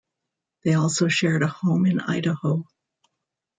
They also shared a home in Idaho.